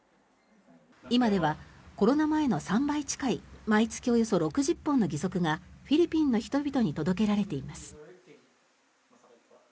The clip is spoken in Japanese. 今ではコロナ前の３倍近い毎月およそ６０本の義足がフィリピンの人々に届けられています。